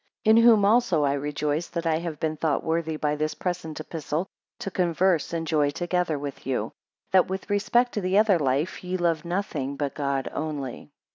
13 In whom also I rejoice that I have been thought worthy by this present epistle to converse, and joy together with you; that with respect to the other life, ye love nothing but God only.